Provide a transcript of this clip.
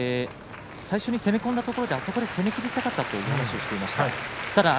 最初に攻め込んだところであそこで攻めきりたかったという話をしていました。